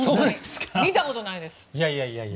見たことないです。